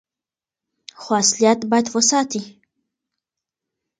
خو اصليت بايد وساتي.